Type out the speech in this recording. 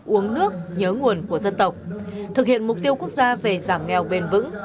uống nước nhớ nguồn của dân tộc thực hiện mục tiêu quốc gia về giảm nghèo bền vững